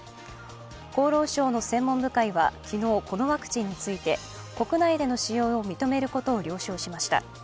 厚労省の専門部会は昨日、このワクチンについて国内での使用を認めることを了承しました。